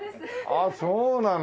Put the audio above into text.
ああそうなの。